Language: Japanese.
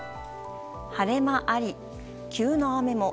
晴れ間あり、急な雨も。